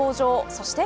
そして